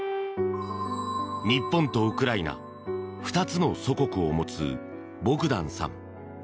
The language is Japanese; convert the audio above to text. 日本とウクライナ２つの祖国を持つボグダンさん。